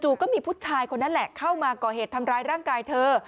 ก็มีผู้ชายคนนั้นแหละเข้ามาก่อเหตุทำร้ายร่างกายเธอ